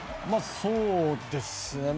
そうですね。